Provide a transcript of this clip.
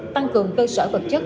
tăng cường cơ sở vật chất